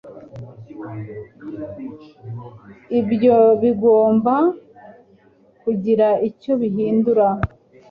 Ibyo bigomba kugira icyo bihindura